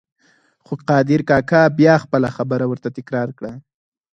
خو قادر کاکا بیا خپله خبره ورته تکرار کړه.